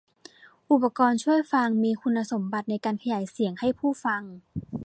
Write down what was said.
อุปกรณ์ช่วยฟังมีคุณสมบัติในการขยายเสียงให้ผู้ฟัง